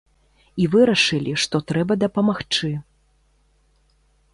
І вырашылі, што трэба дапамагчы.